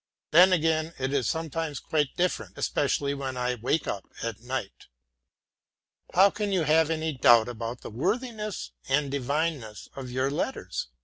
Then again it is sometimes quite different, especially when I wake up at night. How can you have any doubt about the worthiness and divineness of your letters?